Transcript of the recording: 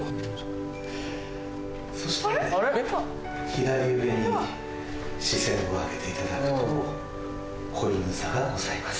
左上に視線を上げていただくとこいぬ座がございます。